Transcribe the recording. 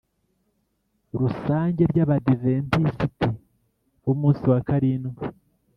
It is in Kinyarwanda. Rusange y Abadiventisiti b Umunsi wa Karindwi